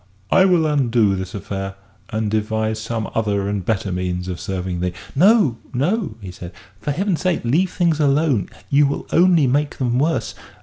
I will undo this affair, and devise some other and better means of serving thee." "No, no," he said, "for Heaven's sake, leave things alone you'll only make them worse.